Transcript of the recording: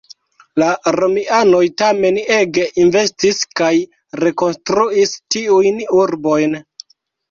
La Romianoj tamen ege investis, kaj rekonstruis tiujn urbojn.